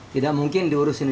tidak mungkin diurusin sendiri